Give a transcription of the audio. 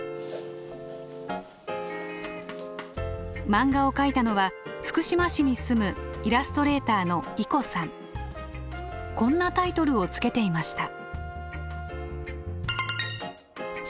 漫画を描いたのは福島市に住むこんなタイトルをつけていました。